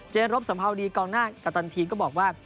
รบสัมภาวดีกองหน้ากัปตันทีมก็บอกว่า